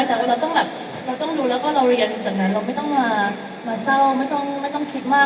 แต่ว่าเราต้องดูแล้วก็เราเรียนจากนั้นเราไม่ต้องมาเศร้าไม่ต้องคิดมาก